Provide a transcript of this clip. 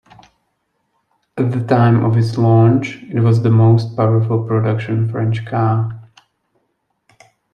At the time of its launch it was the most powerful production French car.